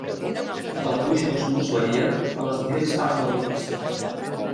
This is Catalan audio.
El gruix dels murs varia a les diferents parts de l'edifici.